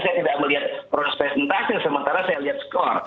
saya tidak melihat prosentase sementara saya lihat skor